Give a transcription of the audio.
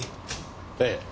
ええ。